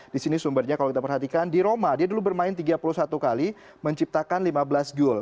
di sini sumbernya kalau kita perhatikan di roma dia dulu bermain tiga puluh satu kali menciptakan lima belas gol